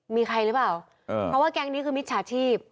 มีใครหรือเปล่าเพราะว่าแก๊งนี้คือมิจฉาชีพ